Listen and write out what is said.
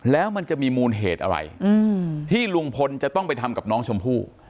แล้วมันจะมีมูลเหตุอะไรที่ลุงพลจะต้องไปทำกับน้องชมพู่